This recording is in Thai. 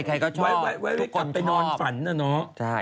ใครก็ชอบทุกคนชอบ